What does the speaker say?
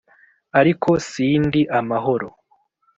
ariko si ndi amahoro